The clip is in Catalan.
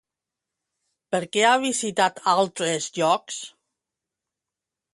Per què ha visitat altres llocs?